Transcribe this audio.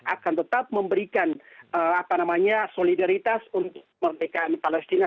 akan tetap memberikan solidaritas untuk merdekaan palestina